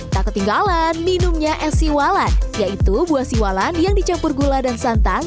tak ketinggalan minumnya es siwalan yaitu buah siwalan yang dicampur gula dan santan